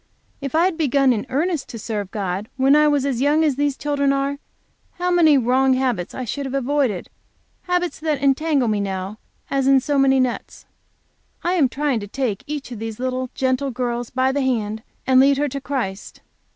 If I had begun in earnest to serve God when I was as young as these children are, how many wrong habits I should have avoided; habits that entangle me now, as in so many nets. I am trying to take each of these little gentle girls by the hand and to lead her to Christ.